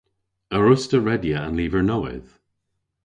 A wruss'ta redya an lyver nowydh?